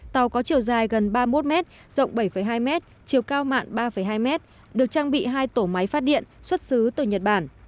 tàu có chiều dài gần ba mươi một m rộng bảy hai m chiều cao mặn ba hai m được trang bị hai tổ máy phát điện xuất xứ từ nhật bản